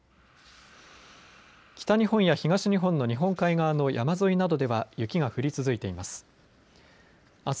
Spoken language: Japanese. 北日本や東日本の日本海側の山沿いなどでは雪が降り続いています。